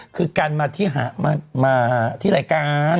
คือกันมาที่หามาที่รายการ